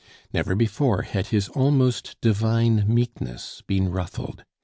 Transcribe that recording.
Never before had his almost divine meekness been ruffled.